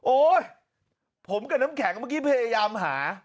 โอ๊ยผมกับน้ำแข็งเมื่อกี้พยายามหา